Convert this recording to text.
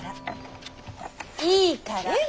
いいから。